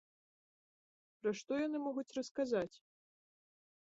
Пра што яны могуць расказаць?